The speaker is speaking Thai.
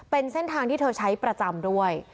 เป็นเส้นทางที่เธอใช้ประจำด้วย